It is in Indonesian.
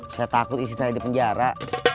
saya takut istri saya di penjara